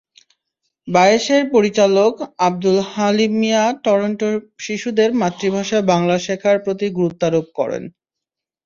বায়েসের পরিচালক আবদুল হালিম মিয়া টরন্টোর শিশুদের মাতৃভাষা বাংলা শেখার প্রতি গুরুত্বারোপ করেন।